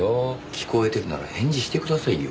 聞こえてるなら返事してくださいよ。